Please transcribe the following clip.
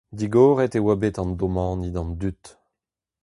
Digoret e oa bet an domani d'an dud.